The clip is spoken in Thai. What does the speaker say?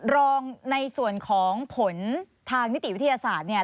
รองในส่วนของผลทางนิติวิทยาศาสตร์เนี่ย